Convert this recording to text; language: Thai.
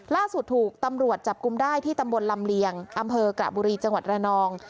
ล่าสุดถูกตำรวจจับกลุ่มได้ที่ตำบลลำเลียงอำเภอกระบุรีจังหวัดระนอง